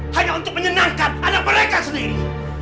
hanya untuk menyenangkan anak mereka sendiri